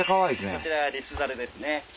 こちらリスザルですね。